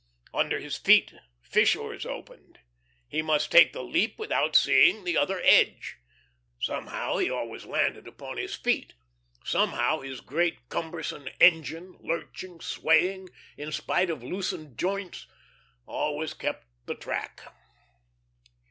Under his feet fissures opened. He must take the leap without seeing the other edge. Somehow he always landed upon his feet; somehow his great, cumbersome engine, lurching, swaying, in spite of loosened joints, always kept the track.